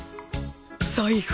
財布。